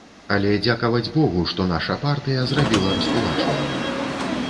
Але дзякаваць богу, што наша партыя зрабіла раскулачванне.